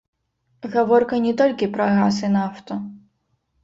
Гаворка не толькі пра газ і нафту.